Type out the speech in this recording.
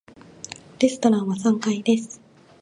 レストランは三階です。